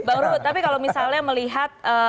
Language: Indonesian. baru tapi kalau misalnya melihat